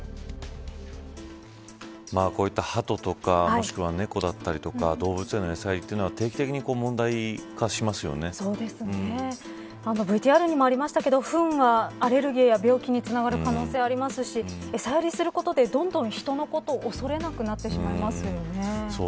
こういったハトとかもしくは猫だったりとか動物への餌やりっていうのはＶＴＲにもありましたけどふんは、アレルギーや病気につながる可能性がありますし餌やりすることで、どんどん人のことを恐れなくなってしまいますよね。